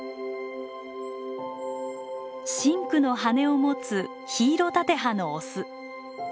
深紅の羽を持つヒイロタテハのオス。